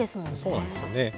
そうなんですよね。